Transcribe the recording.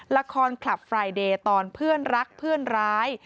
ละครคลับไฟล์เดย์ตอนเพื่อนรักเพื่อนร้าย